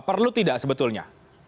perlu tidak sebetulnya